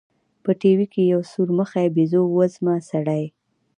په ټي وي کښې يو سورمخى بيزو وزمه سړى.